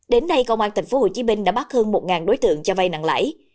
đến nay công an tp hcm đã bắt hơn một đối tượng cho vay nặng lãi